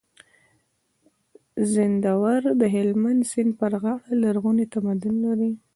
زينداور د هلمند د سيند پر غاړه لرغونی تمدن لري